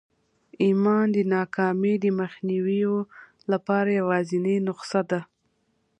ایمان د ناکامۍ د مخنیوي لپاره یوازېنۍ نسخه ده